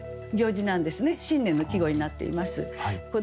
新年の季語になっています。